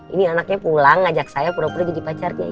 ini anaknya pulang ngajak saya pura pura jadi pacarnya